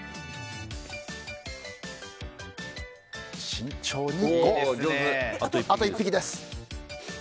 慎重にあと１匹です。